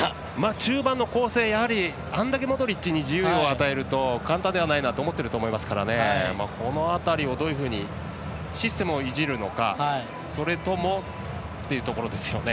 中盤の構成あれだけモドリッチに自由を与えると簡単ではないと思っていると思いますからこの辺りを、どういうふうにシステムをいじるのかそれともっていうところですよね。